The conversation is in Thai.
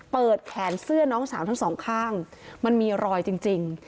แขนเสื้อน้องสาวทั้งสองข้างมันมีรอยจริง